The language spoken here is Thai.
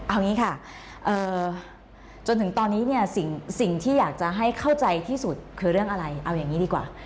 เอาอย่างนี้ค่ะจนถึงตอนนี้เนี่ยสิ่งที่อยากจะให้เข้าใจที่สุดคือเรื่องอะไรเอาอย่างนี้ดีกว่า